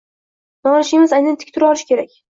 Nolish emas, aynan tik tura olish kerak.